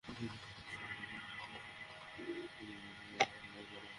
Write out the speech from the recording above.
Souvenir শপে ঢুকে কিনলাম ফেসবুক টি–শার্ট, হুডি, লাইক বাটনের চাবির রিং।